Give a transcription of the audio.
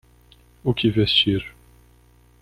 O que vestir